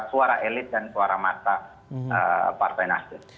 suara elit dan suara mata partai nasdem